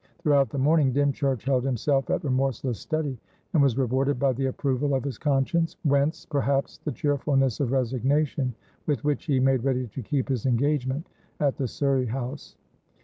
Throughout the morning, Dymchurch held himself at remorseless study, and was rewarded by the approval of his conscience; whence, perhaps, the cheerfulness of resignation with which he made ready to keep his engagement at the Surrey house.